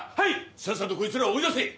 さっさとこいつらを追い出せ！